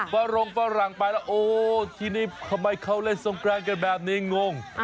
ฟ้าลงฟ้าหลังไปแล้วโอ้ทีนี้ทำไมเขาเล่นสงแกร่งแบบนี้งง